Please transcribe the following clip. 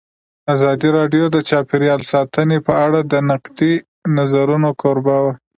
ازادي راډیو د چاپیریال ساتنه په اړه د نقدي نظرونو کوربه وه.